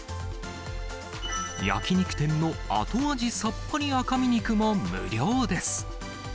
焼き肉店の後味さっぱり赤身肉も無料です。